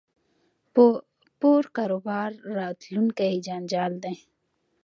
په پور کاروبار راتلونکی جنجال دی